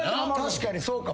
確かにそうか。